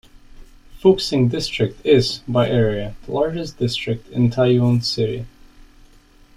Fuxing District is, by area, the largest district in Taoyuan City.